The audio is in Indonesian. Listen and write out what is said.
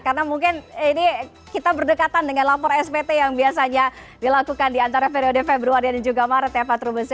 karena mungkin ini kita berdekatan dengan lapor spt yang biasanya dilakukan diantara periode februari dan juga maret ya pak trubus